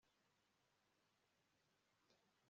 Uwo mwubatsi yubaka amazu agezweho